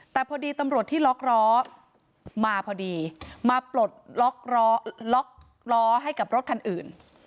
แต่พอดีตำรวจที่ล็อกล้อมาพอดีมาปลดล็อกล้อล็อกล้อให้กับรถคันอื่น